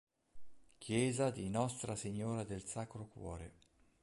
Chiesa di Nostra Signora del Sacro Cuore